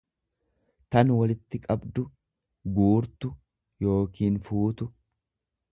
tan walitti qabdu, guurtu yookiin fuutu.